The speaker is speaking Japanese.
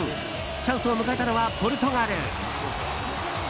チャンスを迎えたのはポルトガル。